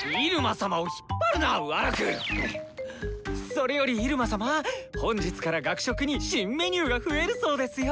それより入間様本日から学食に新メニューが増えるそうですよ。